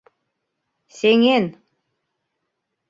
Сеҥен.